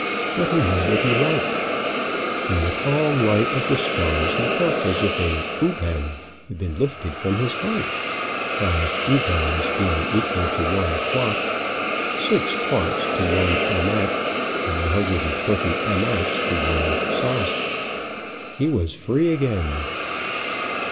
But he knew what he liked. In the calm light of the stars he felt as if a uban had been lifted from his heart, 5 ubans being equal to 1 quat, 6 quats to 1 ammat and 120 ammats to 1 sos. He was free again.